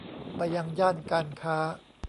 ไปยังย่านการค้า